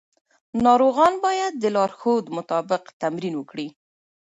ناروغان باید د لارښود مطابق تمرین وکړي.